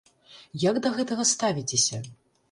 Як да гэтага ставіцеся?